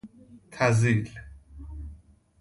تزیل